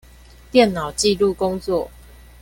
電腦紀錄工作